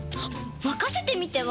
まかせてみては？